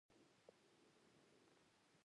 د غالۍ تارونه له وړۍ وي.